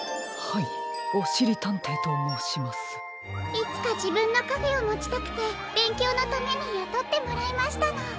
いつかじぶんのカフェをもちたくてべんきょうのためにやとってもらいましたの。